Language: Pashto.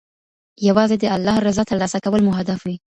یوازې د الله رضا ترلاسه کول مو هدف وي.